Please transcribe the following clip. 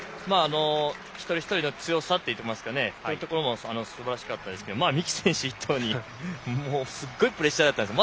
一人一人の強さといいますかそういうところもすばらしかったですし三木選手を筆頭にすごいプレッシャーでしたね。